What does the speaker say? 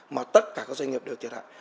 mà tất cả các doanh nghiệp đều thiệt hại